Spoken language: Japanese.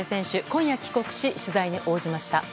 今夜帰国し取材に応じました。